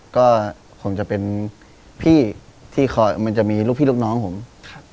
ก็ผมจะเป็นพี่ที่มันจะมีลูกพี่ลูกน้องของผม